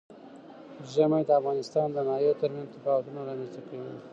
ژمی د افغانستان د ناحیو ترمنځ تفاوتونه رامنځ ته کوي.